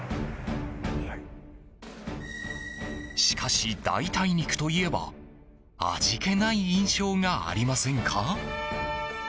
しかし、代替肉といえば味気ない印象がありませんか？